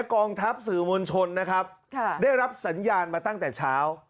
กองทัพสื่อมวลชนนะครับได้รับสัญญาณมาตั้งแต่เช้า